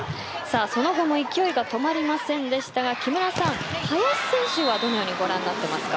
その後も勢いが止まりませんでしたが木村さん林選手は、どのようにご覧になっていますか。